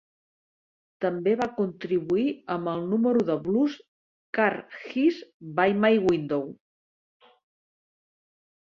També va contribuir amb el número de blues "Cars Hiss By My Window".